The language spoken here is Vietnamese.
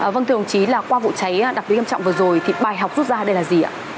vâng thưa ông chí là qua vụ cháy đặc biệt nghiêm trọng vừa rồi thì bài học rút ra đây là gì ạ